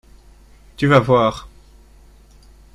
Tu vas voir.